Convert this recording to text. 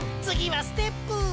つぎはステップ！